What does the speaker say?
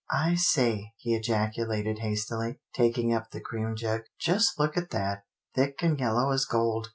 " I say !" he ejaculated hastily, taking up the cream jug. " Just look at that — thick and yellow as gold.